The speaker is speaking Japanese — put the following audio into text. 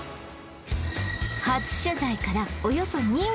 初取材からおよそ２年